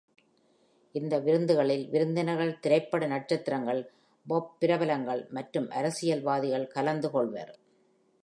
இந்த விருந்துகளில் விருந்தினர்கள் திரைப்பட நட்சத்திரங்கள், பாப் பிரபலங்கள் மற்றும் அரசியல்வாதிகள் கலந்துக் கொள்வர்.